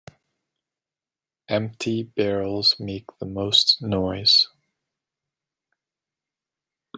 Empty barrels make the most noise.